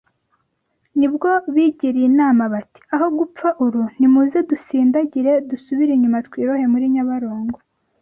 Nibwo bigiriye inama bati Aho gupfa uru nimuze dusindagire dusubire inyuma twirohe muri Nyabarongo